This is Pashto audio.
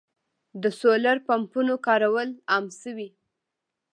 د سولر پمپونو کارول عام شوي.